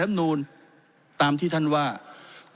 ท่านนายกคือทำร้ายระบอบประชาธิปไตยที่มีพระมหาคศัตริย์